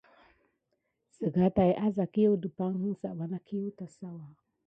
Siga tät a sa kiwua tumpay kiwu kesawa.